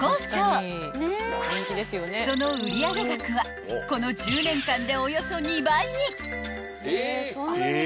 ［その売上額はこの１０年間でおよそ２倍に］